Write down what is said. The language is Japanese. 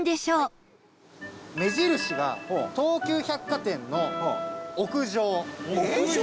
前田：目印が東急百貨店の屋上。